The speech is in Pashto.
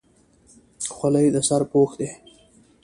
خولۍ د سر پوښ دی.